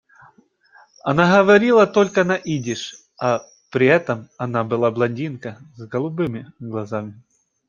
Она говорила только на идиш, а при этом она была блондинка с голубыми глазами.